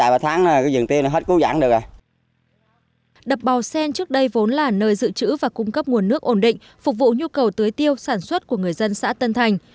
phục vụ nhu cầu tưới tiêu sản xuất của người dân xã tân thành